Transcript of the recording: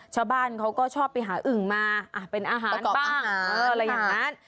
ชาวบ้านเขาก็ชอบไปหาอึ่งมาเป็นอาหารบ้างอะไรอย่างนั้น